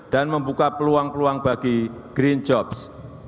dan membuka peluang peluang bagi green jobs